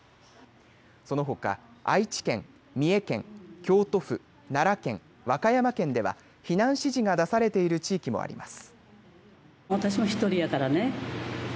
そのほか、愛知県、三重県、京都府、奈良県、和歌山県では避難指示が出されている地域もあります。